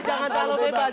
jangan terlalu bebas